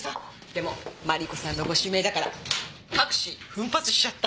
でもマリコさんのご指名だからタクシー奮発しちゃった。